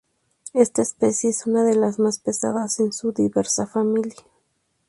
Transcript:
Esta especie es una de las más pesadas en su diversa familia.